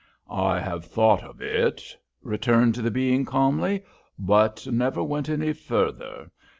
"I have thought of it," returned the being, calmly. "But never went any further.